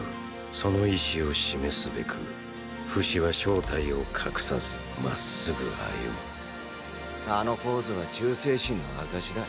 その意思を示すべくフシは正体を隠さずまっすぐ歩むあのポーズは忠誠心の証だ。